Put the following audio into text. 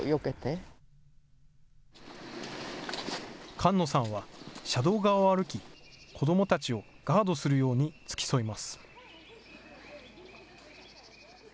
菅野さんは車道側を歩き子どもたちをガードするように付き添います。